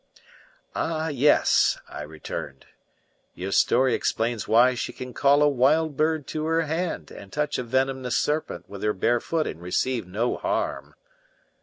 "Ah, yes," I returned, "your story explains why she can call a wild bird to her hand, and touch a venomous serpent with her bare foot and receive no harm."